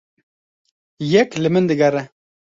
Yek li min digere.